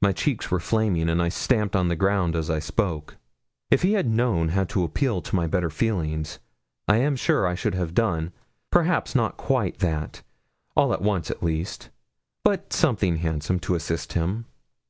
My cheeks were flaming, and I stamped on the ground as I spoke. If he had known how to appeal to my better feelings, I am sure I should have done, perhaps not quite that, all at once at least, but something handsome, to assist him.